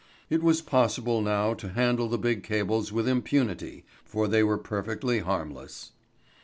It was possible now to handle the big cables with impunity, for they were perfectly harmless.